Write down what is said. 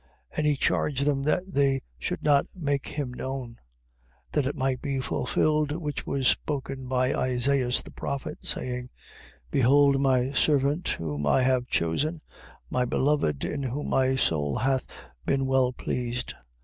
12:16. And he charged them that they should not make him known. 12:17. That it might be fulfilled which was spoken by Isaias the prophet, saying: 12:18. Behold my servant whom I have chosen, my beloved in whom my soul hath been well pleased.